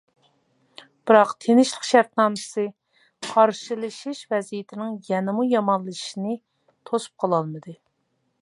بىراق، تىنچلىق شەرتنامىسى قارشىلىشىش ۋەزىيىتىنىڭ يەنىمۇ يامانلىشىشىنى توسۇپ قالالمىدى.